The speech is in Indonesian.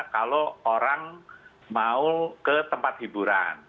kalau orang mau ke tempat hiburan